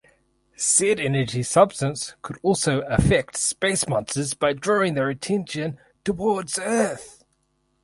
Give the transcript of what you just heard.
Said energy substance could also affect space monsters by drawing their attention towards Earth.